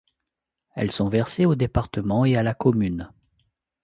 Elles sont versées au département et à la commune.